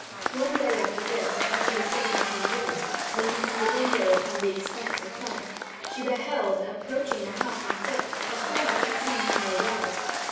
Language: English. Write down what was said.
One day after this, when she was sitting in his room, looking from the window upon the expanse in front, she beheld, approaching the house on foot, a form she seemed to know well.